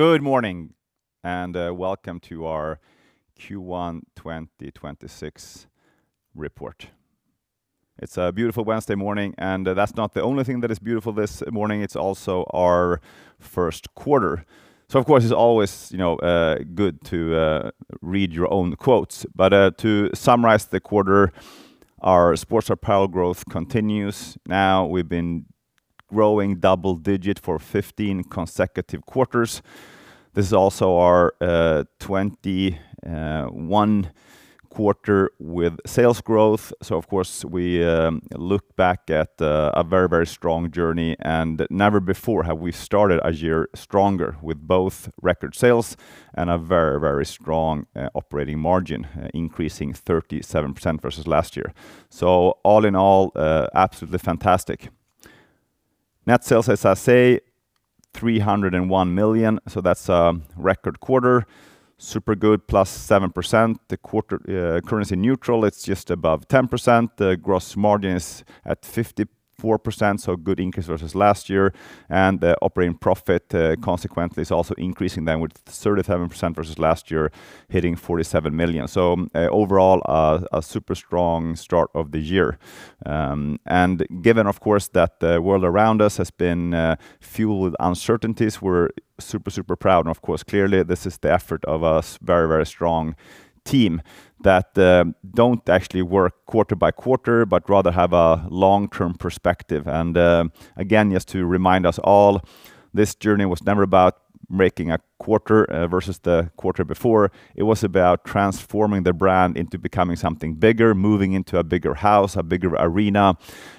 Good morning, welcome to our Q1 2026 report. It's a beautiful Wednesday morning; that's not the only thing that is beautiful this morning. It's also our Q1. Of course, it's always, you know, good to read your own quotes. To summarize the quarter, our Sports Apparel growth continues. Now, we've been growing double digit for 15 consecutive quarters. This is also our 21st quarter with sales growth. Of course, we look back at a very, very strong journey, never before have we started a year stronger with both record sales and a very, very strong operating margin, increasing 37% versus last year. All in all, absolutely fantastic. Net sales, as I say, 301 million, that's a record quarter. Super good, +7%. The quarter, currency neutral, it's just above 10%. The gross margin is at 54%, good increase versus last year. The operating profit, consequently, is also increasing then with 37% versus last year, hitting 47 million. Overall, a super strong start of the year. Given of course that the world around us has been fueled with uncertainties, we're super proud. Of course, clearly this is the effort of a very strong team that don't actually work quarter-by-quarter but rather have a long-term perspective. Again, just to remind us all, this journey was never about making a quarter versus the quarter before. It was about transforming the brand into becoming something bigger, moving into a bigger house, a bigger arena.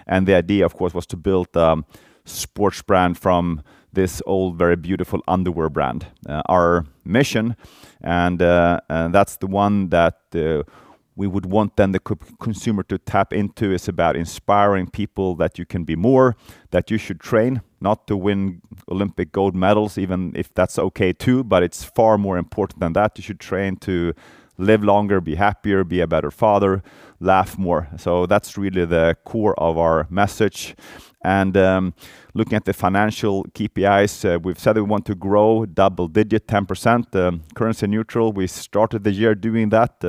The idea, of course, was to build a sports brand from this old, very beautiful underwear brand. Our mission and that's the one that we would want then the consumer to tap into, is about inspiring people that you can be more, that you should train, not to win Olympic gold medals, even if that's okay too, but it's far more important than that. You should train to live longer, be happier, be a better father, laugh more. That's really the core of our message. Looking at the financial KPIs, we've said that we want to grow double digit 10%, currency neutral. We started the year doing that.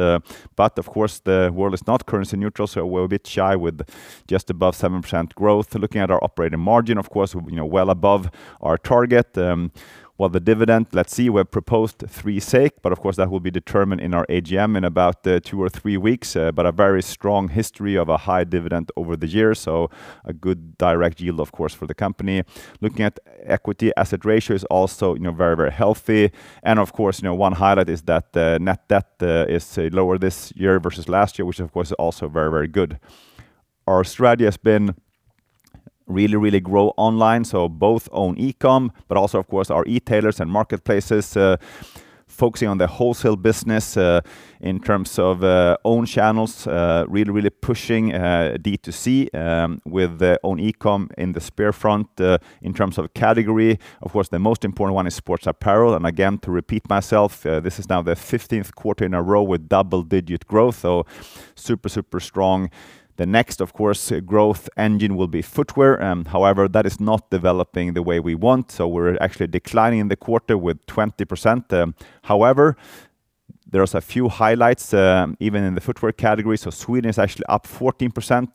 Of course, the world is not currency neutral, we're a bit shy with just above 7% growth. Looking at our operating margin, of course, you know, well above our target. Well, the dividend, let's see. We've proposed 3, but of course that will be determined in our AGM in about two or three weeks. A very strong history of a high dividend over the years, so a good direct yield of course for the company. Looking at equity asset ratio is also, you know, very, very healthy. Of course, you know, one highlight is that the net debt is, say, lower this year versus last year, which of course is also very, very good. Our strategy has been really grown online, so both own eCom, but also of course our e-tailers and marketplaces, focusing on the wholesale business, in terms of own channels, really pushing D2C, with own eCom in the spear front. In terms of category, of course, the most important one is Sports Apparel. Again, to repeat myself, this is now the 15th quarter in a row with double-digit growth, so super strong. The next, of course, growth engine will be Footwear. However, that is not developing the way we want, so we're actually declining in the quarter with 20%. However, there is a few highlights, even in the Footwear category. Sweden is actually up 14%.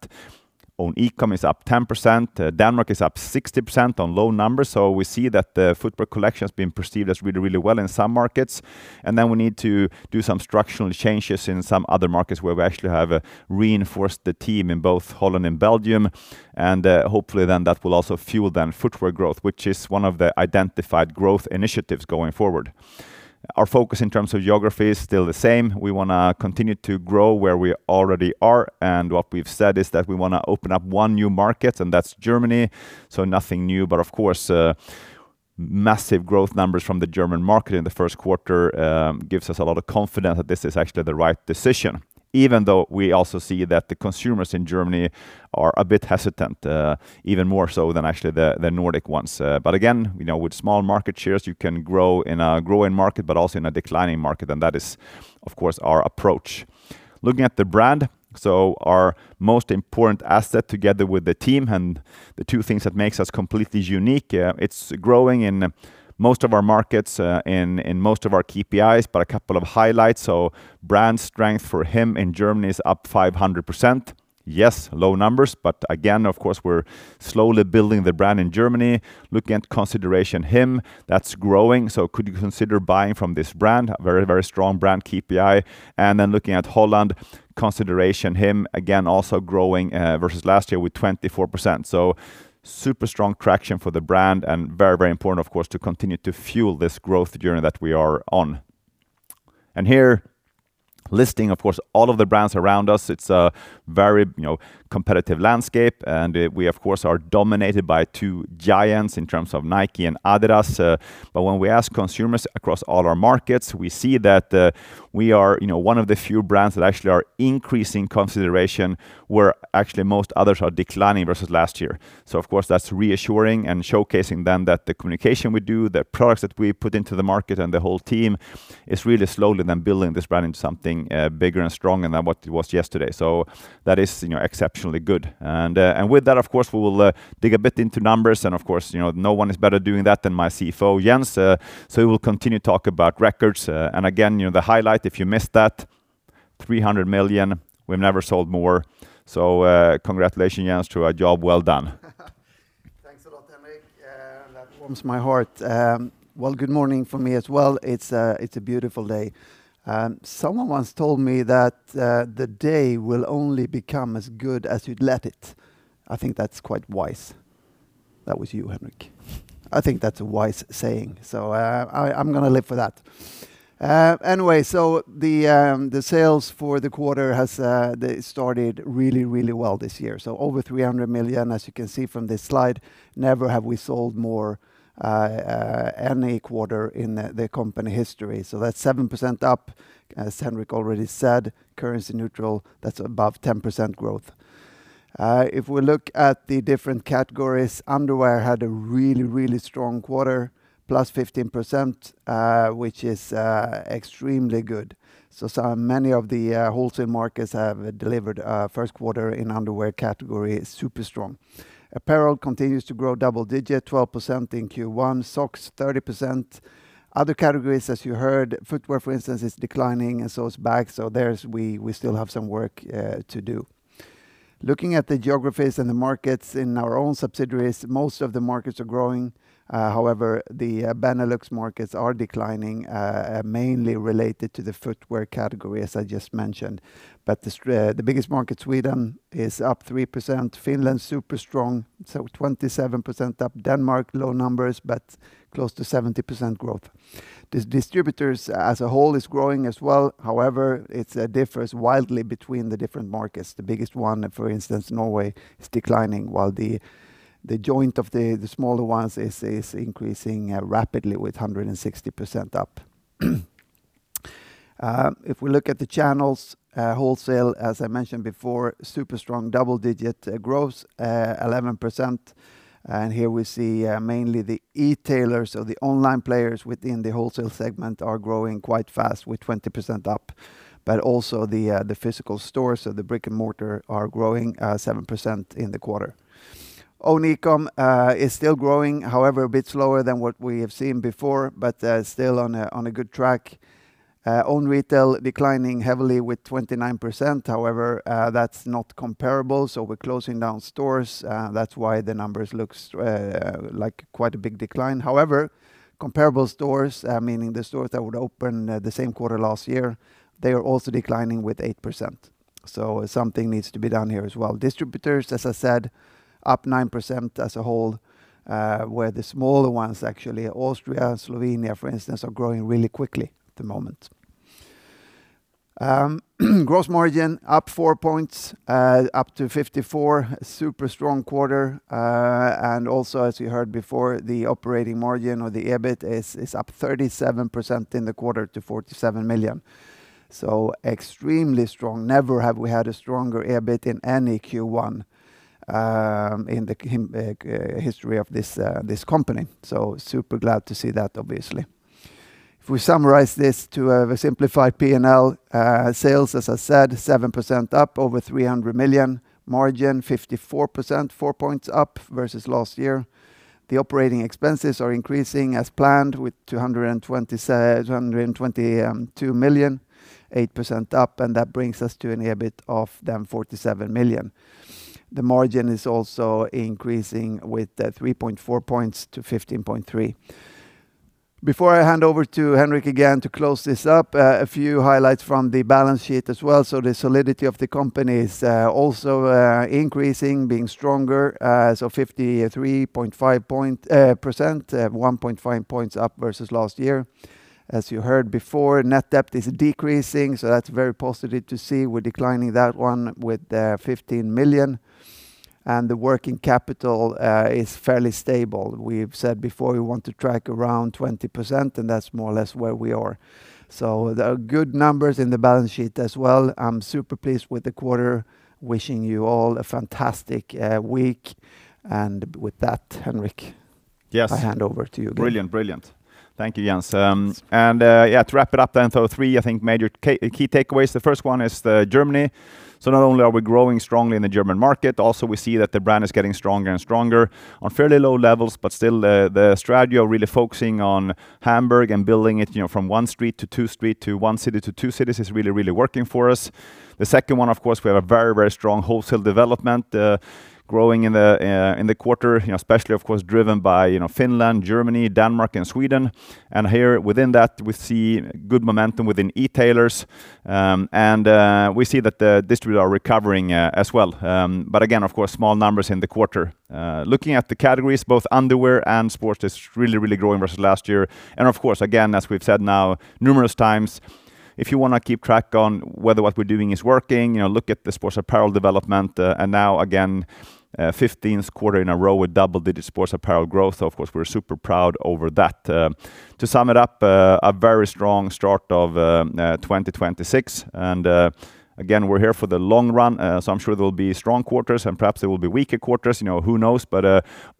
Own eCom is up 10%. Denmark is up 60% on low numbers. We see that the Footwear collection has been perceived as really, really well in some markets, and then we need to do some structural changes in some other markets where we actually have reinforced the team in both Holland and Belgium. Hopefully then that will also fuel then Footwear growth, which is one of the identified growth initiatives going forward. Our focus in terms of geography is still the same. We want to continue to grow where we already are. What we've said is that we want to open up one new market, and that's Germany, so nothing new. Of course, massive growth numbers from the German market in the Q1 gives us a lot of confidence that this is actually the right decision, even though we also see that the consumers in Germany are a bit hesitant, even more so than actually the Nordic ones. Again, you know, with small market shares, you can grow in a growing market but also in a declining market, and that is of course our approach. Looking at the brand, so our most important asset together with the team and the two things that makes us completely unique. It's growing in most of our markets, in most of our KPIs, a couple of highlights. Brand Consideration for HIM in Germany is up 500%. Yes, low numbers, again, of course, we're slowly building the brand in Germany. Looking at Brand Consideration HIM, that's growing. Could you consider buying from this brand? A very, very strong brand KPI. Looking at Brand Consideration HIM, again, also growing versus last year with 24%. Super strong traction for the brand and very, very important, of course, to continue to fuel this growth journey that we are on. Here, listing, of course, all of the brands around us. It's a very, you know, competitive landscape, and we of course are dominated by two giants in terms of Nike and Adidas. When we ask consumers across all our markets, we see that we are, you know, one of the few brands that actually are increasing consideration, where actually most others are declining versus last year. Of course, that is reassuring and showcasing that the communication we do, the products that we put into the market, and the whole team is really slowly then building this brand into something bigger and stronger than what it was yesterday. That is, you know, exceptionally good. With that, of course, we will dig a bit into numbers. Of course, you know, no one is better doing that than my CFO Jens. We will continue to talk about records. Again, you know, the highlight, if you missed that, 300 million. We have never sold more, congratulations, Jens, to a job well done. Thanks a lot, Henrik. That warms my heart. Well, good morning from me as well. It's a beautiful day. Someone once told me that the day will only become as good as you'd let it. I think that's quite wise. That was you, Henrik. I think that's a wise saying. I'm going to live for that. The sales for the quarter have they started really well this year. Over 300 million, as you can see from this slide. Never have we sold more any quarter in the company history. That's 7% up, as Henrik already said, currency neutral, that's above 10% growth. If we look at the different categories, Underwear had a really strong quarter, plus 15%, which is extremely good. Many of the wholesale markets have delivered a Q1 in Underwear category super strong. Apparel continues to grow double digit, 12% in Q1, Socks 30%. Other categories, as you heard, Footwear, for instance, is declining, and so is Bags. There's we still have some work to do. Looking at the geographies and the markets in our own subsidiaries, most of the markets are growing. However, the Benelux markets are declining, mainly related to the Footwear category, as I just mentioned. The biggest market, Sweden, is up 3%. Finland, super strong, so 27% up. Denmark, low numbers, but close to 70% growth. Distributors as a whole is growing as well. However, it differs wildly between the different markets. The biggest one, for instance, Norway, is declining, while the joint of the smaller ones is increasing rapidly with 160% up. If we look at the channels, wholesale, as I mentioned before, super strong double-digit growth, 11%. Here we see mainly the e-tailers or the online players within the wholesale segment are growing quite fast with 20% up. Also the physical stores or the brick-and-mortar are growing 7% in the quarter. Own e-com is still growing, however, a bit slower than what we have seen before, but still on a good track. Own retail declining heavily with 29%. However, that's not comparable, so we're closing down stores, that's why the numbers looks like quite a big decline. However, comparable stores, meaning the stores that were open, the same quarter last year, they are also declining with 8%. Something needs to be done here as well. Distributors, as I said, up 9% as a whole, where the smaller ones, actually, Austria and Slovenia, for instance, are growing really quickly at the moment. Gross margin up four points, up to 54%. Super strong quarter. And also, as you heard before, the operating margin or the EBIT is up 37% in the quarter to 47 million. Extremely strong. Never have we had a stronger EBIT in any Q1, in the history of this company. Super glad to see that, obviously. If we summarize this to a simplified P&L, sales, as I said, 7% up, over 300 million. Margin 54%, four points up versus last year. The operating expenses are increasing as planned with 220 million, 8% up, that brings us to an EBIT of then 47 million. The margin is also increasing with 3.4 points to 15.3. Before I hand over to Henrik again to close this up, a few highlights from the balance sheet as well. The solidity of the company is also increasing, being stronger. 53.5%, 1.5 points up versus last year. As you heard before, net debt is decreasing, that's very positive to see. We're declining that one with 15 million. The working capital is fairly stable. We've said before we want to track around 20%, that's more or less where we are. There are good numbers in the balance sheet as well. I'm super pleased with the quarter. Wishing you all a fantastic week. With that, Henrik. Yes I hand over to you again. Brilliant, brilliant. Thank you, Jens. To wrap it up then, three, I think, major key takeaways. The first one is the Germany. Not only are we growing strongly in the German market, also we see that the brand is getting stronger and stronger on fairly low levels, but still, the strategy of really focusing on Hamburg and building it, you know, from one street to two street, to one city to two cities is really, really working for us. The second one, of course, we have a very, very strong wholesale development, growing in the quarter, you know, especially of course driven by, you know, Finland, Germany, Denmark, and Sweden. Here within that, we see good momentum within e-tailers. We see that the distributors are recovering as well. Again, of course, small numbers in the quarter. Looking at the categories, both Underwear and Sports are really growing versus last year. Of course, again, as we've said now numerous times, if you want to keep track on whether what we're doing is working, you know, look at the Sports Apparel development. Now again, 15th quarter in a row with double-digit Sports Apparel growth. Of course, we're super proud over that. To sum it up, a very strong start of 2026. Again, we're here for the long run, I'm sure there'll be strong quarters and perhaps there will be weaker quarters, you know, who knows?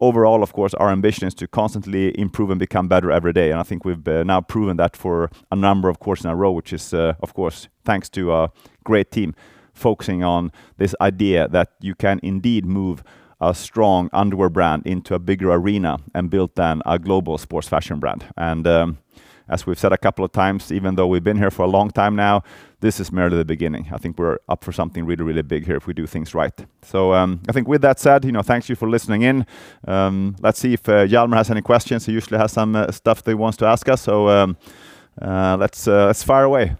Overall, of course, our ambition is to constantly improve and become better every day, and I think we've now proven that for a number of quarters in a row, which is, of course, thanks to a great team focusing on this idea that you can indeed move a strong Underwear brand into a bigger arena and build then a global sports fashion brand. As we've said a couple of times, even though we've been here for a long time now, this is merely the beginning. I think we're up for something really, really big here if we do things right. I think with that said, you know, thank you for listening in. Let's see if Hjalmar has any questions. He usually has some stuff that he wants to ask us. Let's fire away.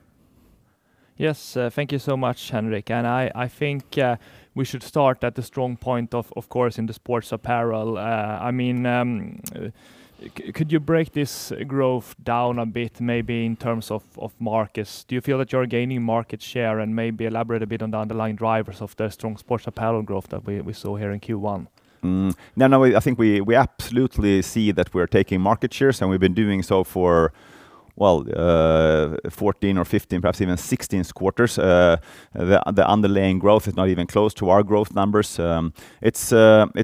Yes. Thank you so much, Henrik. I think, we should start at the strong point of course, in the Sports Apparel. I mean, could you break this growth down a bit maybe in terms of markets? Do you feel that you're gaining market share? Maybe elaborate a bit on the underlying drivers of the strong Sports Apparel growth that we saw here in Q1. No, no, I think we absolutely see that we're taking market shares, and we've been doing so for, well, 14th or 15th, perhaps even 16th quarters. The underlying growth is not even close to our growth numbers. It's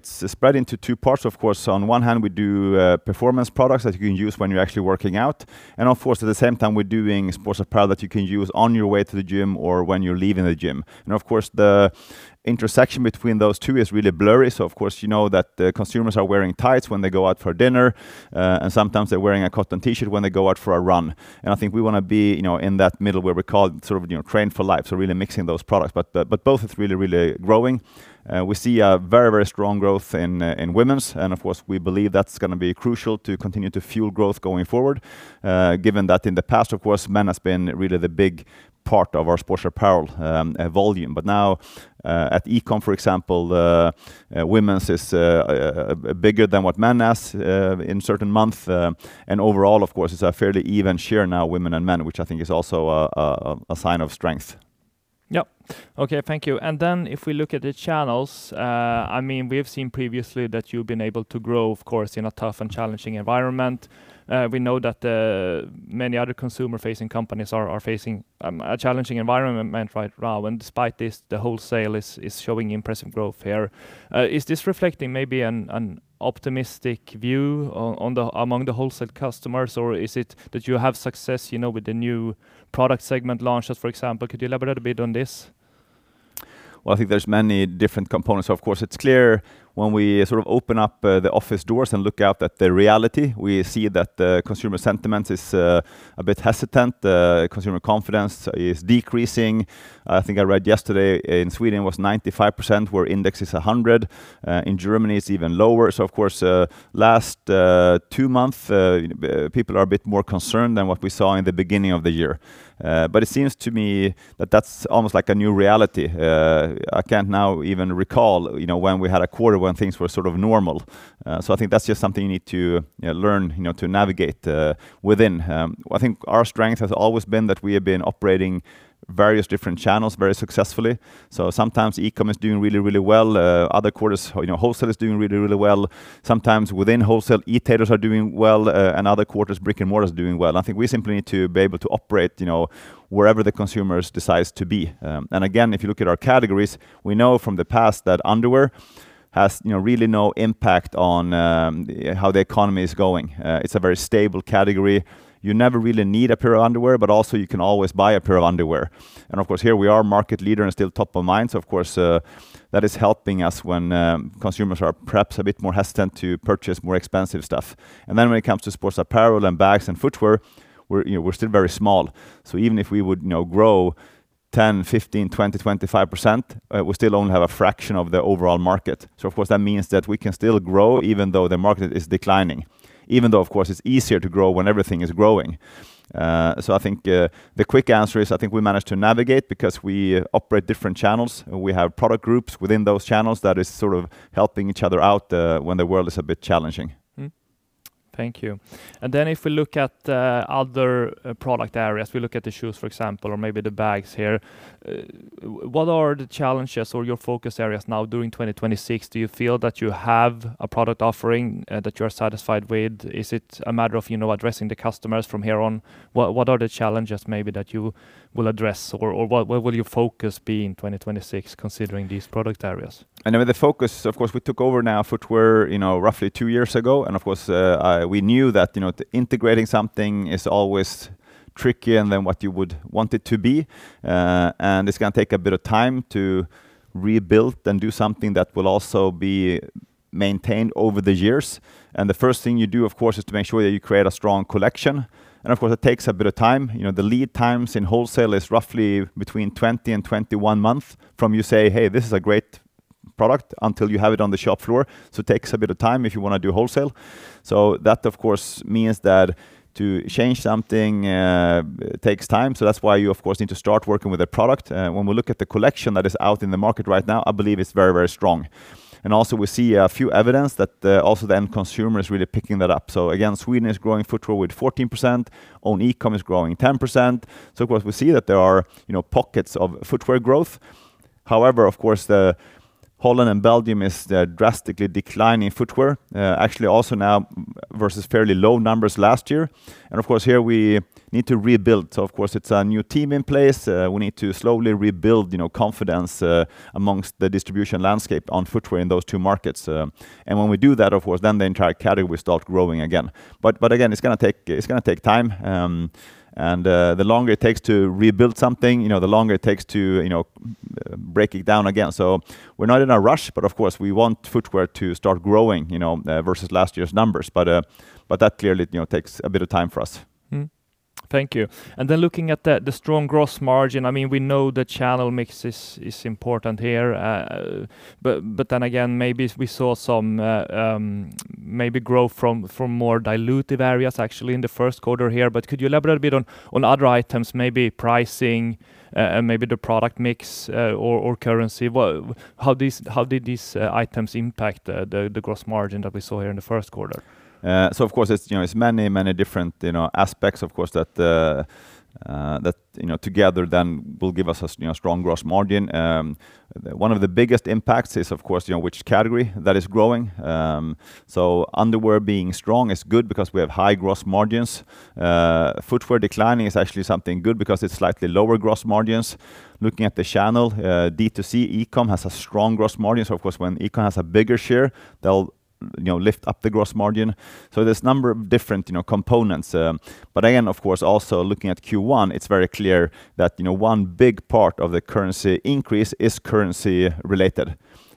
spread into two parts, of course. On one hand, we do performance products that you can use when you're actually working out. Of course, at the same time, we're doing Sports Apparel that you can use on your way to the gym or when you're leaving the gym. Of course, the intersection between those two is really blurry. Of course, you know that the consumers are wearing tights when they go out for dinner, and sometimes they're wearing a cotton T-shirt when they go out for a run. I think we want to be, you know, in that middle where we're called sort of, you know, Train for Life, really mixing those products. Both it's really growing. We see a very strong growth in women, and of course, we believe that's going to be crucial to continue to fuel growth going forward, given that in the past, of course, men have been really the big part of our Sports Apparel volume. Now, at eCom, for example, women are bigger than what men has in certain month. Overall, of course, it's a fairly even share now, women and men, which I think is also a sign of strength. Yep. Okay, thank you. If we look at the channels, I mean, we have seen previously that you've been able to grow, of course, in a tough and challenging environment. We know that many other consumer-facing companies are facing a challenging environment right now. Despite this, the wholesale is showing impressive growth here. Is this reflecting maybe an optimistic view among the wholesale customers, or is it that you have success, you know, with the new product segment launches, for example? Could you elaborate a bit on this? Well, I think there's many different components. Of course, it's clear when we sort of open up the office doors and look out at the reality, we see that the consumer sentiment is a bit hesitant. Consumer confidence is decreasing. I think I read yesterday in Sweden was 95% where index is 100. In Germany, it's even lower. Of course, last two-month, people are a bit more concerned than what we saw in the beginning of the year. It seems to me that that's almost like a new reality. I can't now even recall, you know, when we had a quarter when things were sort of normal. I think that's just something you need to, you know, learn, you know, to navigate within. I think our strength has always been that we have been operating various different channels very successfully. Sometimes eCom is doing really, really well. Other quarters, you know, wholesale is doing really, really well. Sometimes within wholesale, e-tailers are doing well, and other quarters, brick-and-mortar is doing well. I think we simply need to be able to operate, you know, wherever the consumers decide to be. Again, if you look at our categories, we know from the past that Underwear has, you know, really no impact on how the economy is going. It's a very stable category. You never really need a pair of Underwear, but also you can always buy a pair of Underwear. Of course, here we are market leader and still top of mind. Of course, that is helping us when consumers are perhaps a bit more hesitant to purchase more expensive stuff. When it comes to Sports Apparel and Bags and Footwear, we're, you know, we're still very small. Even if we would, you know, grow 10, 15, 20, 25%, we still only have a fraction of the overall market. Of course, that means that we can still grow even though the market is declining. Even though, of course, it's easier to grow when everything is growing. I think the quick answer is I think we manage to navigate because we operate different channels. We have product groups within those channels that is sort of helping each other out when the world is a bit challenging. Thank you. If we look at other product areas, we look at the Footwear, for example, or maybe the Bags here. What are the challenges or your focus areas now during 2026? Do you feel that you have a product offering that you're satisfied with? Is it a matter of, you know, addressing the customers from here on? What are the challenges maybe that you will address? What, where will your focus be in 2026 considering these product areas? I know the focus, of course, we took over now Footwear, you know, roughly two years ago. Of course, we knew that, you know, integrating something is always trickier than what you would want it to be. It's going to take a bit of time to rebuild and do something that will also be maintained over the years. The first thing you do, of course, is to make sure that you create a strong collection. Of course, it takes a bit of time. You know, the lead times in wholesale is roughly between 20 and 21 months from you say, "Hey, this is a great product," until you have it on the shop floor. It takes a bit of time if you want to do wholesale. That, of course, means that to change something, takes time. That's why you, of course, need to start working with a product. When we look at the collection that is out in the market right now, I believe it's very, very strong. Also we see a few evidence that also the end consumer is really picking that up. Again, Sweden is growing Footwear with 14%, own eCom is growing 10%. Of course, we see that there are, you know, pockets of Footwear growth. However, of course, the Holland and Belgium is drastically declining Footwear. Actually also now versus fairly low numbers last year. Of course, here we need to rebuild. Of course, it's a new team in place. We need to slowly rebuild, you know, confidence amongst the distribution landscape on Footwear in those two markets. When we do that, of course, then the entire category will start growing again. But again, it's going to take, it's going to take time. The longer it takes to rebuild something, you know, the longer it takes to breaking down again. We're not in a rush, but of course, we want Footwear to start growing, you know, versus last year's numbers. But that clearly, you know, takes a bit of time for us. Thank you. Looking at the strong gross margin, I mean, we know the channel mix is important here. Maybe we saw some growth from more dilutive areas actually in the Q1 here. Could you elaborate a bit on other items, maybe pricing, maybe the product mix, or currency? How did these items impact the gross margin that we saw here in the Q1? Of course it's, you know, it's many, many different, you know, aspects, of course, that, you know, together then will give us a strong gross margin. One of the biggest impacts is, of course, you know, which category that is growing. Underwear being strong is good because we have high gross margins. Footwear declining is actually something good because it's slightly lower gross margins. Looking at the channel, D2C, eCom has a strong gross margin. Of course, when eCom has a bigger share, they'll, you know, lift up the gross margin. There's a number of different, you know, components. Again, of course, also looking at Q1, it's very clear that, you know, one big part of the currency increase is currency related.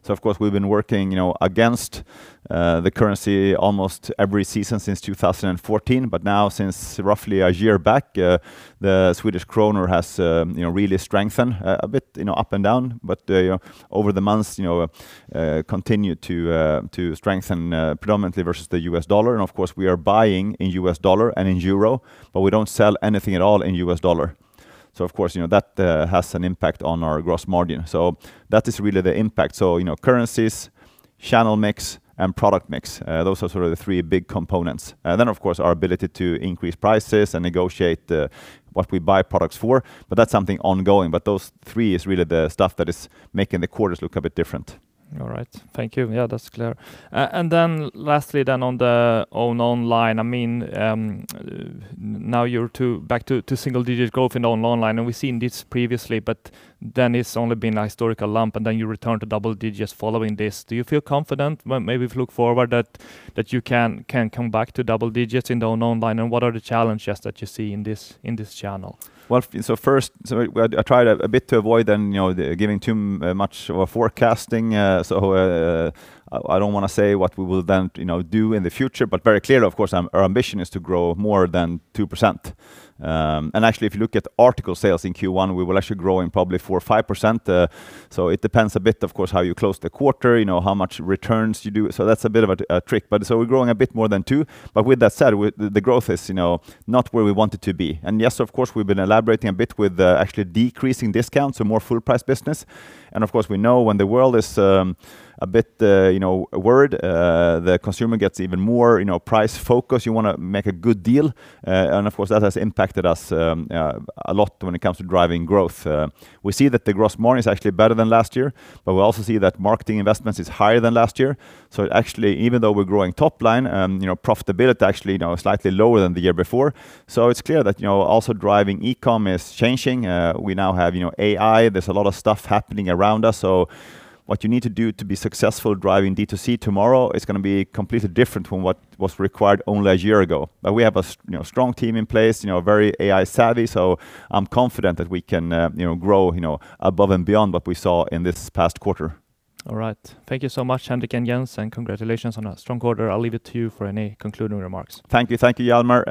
Of course, we've been working, you know, against the currency almost every season since 2014. Now since roughly a year back, the Swedish krona has, you know, really strengthened a bit, you know, up and down. Over the months, you know, continued to strengthen predominantly versus the US dollar. Of course, we are buying in US dollar and in euro, but we don't sell anything at all in US dollar. Of course, you know, that has an impact on our gross margin. That is really the impact. You know, currencies, channel mix, and product mix, those are sort of the three big components. Of course, our ability to increase prices and negotiate what we buy products for, but that's something ongoing. Those three is really the stuff that is making the quarters look a bit different. All right. Thank you. Yeah, that's clear. Lastly on the own online, now you're back to single digits growth in own online, we've seen this previously, it's only been a historical lump, you return to double digits following this. Do you feel confident when maybe if you look forward that you can come back to double digits in the own online? What are the challenges that you see in this channel? I try a bit to avoid then, you know, the giving too much of a forecasting. I don't want to say what we will then, you know, do in the future, but very clear, of course, our ambition is to grow more than 2%. Actually, if you look at article sales in Q1, we will actually grow in probably 4% or 5%. It depends on a bit, of course, how you close the quarter, you know, how much returns you do. That's a bit of a trick. We're growing a bit more than two. With that said, the growth is, you know, not where we want it to be. Yes, of course, we've been elaborating a bit with actually decreasing discounts and more full price business. Of course, we know when the world is a bit, you know, worried, the consumer gets even more, you know, price focused. You want to make a good deal. Of course, that has impacted us a lot when it comes to driving growth. We see that the gross margin is actually better than last year, but we also see that marketing investments is higher than last year. Actually, even though we're growing top line, you know, profitability actually, you know, is slightly lower than the year before. It's clear that, you know, also driving eCom is changing. We now have, you know, AI. There's a lot of stuff happening around us. What you need to do to be successful driving D2C tomorrow is going to be completely different from what was required only a year ago. We have a you know, strong team in place, you know, very AI savvy, so I'm confident that we can, you know, grow, you know, above and beyond what we saw in this past quarter. All right. Thank you so much, Henrik and Jens, and congratulations on a strong quarter. I'll leave it to you for any concluding remarks. Thank you. Thank you, Hjalmar.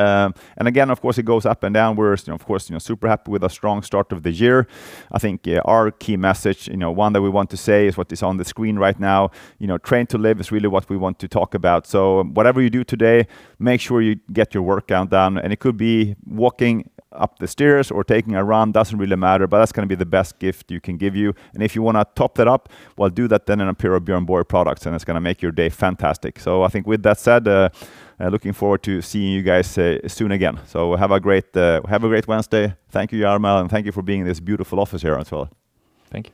Again, of course, it goes up and down. We're, you know, of course, you know, super happy with a strong start of the year. I think, our key message, you know, one that we want to say is what is on the screen right now. You know, train to live is really what we want to talk about. Whatever you do today, make sure you get your workout done, and it could be walking up the stairs or taking a run. That's going to be the best gift you can give you. If you want to top that up, well, do that then in a pair of Björn Borg products, and it's going to make your day fantastic. I think with that said, looking forward to seeing you guys soon again. Have a great Wednesday. Thank you, Hjalmar, and thank you for being in this beautiful office here as well. Thank you.